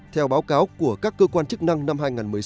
theo báo cáo của các cơ quan chức năng năm hai nghìn một mươi sáu